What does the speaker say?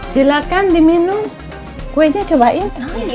silakan diminum kuenya cobain